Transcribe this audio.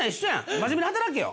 真面目に働けよ。